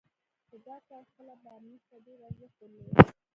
خو دا کار خپله بارنس ته ډېر ارزښت درلود.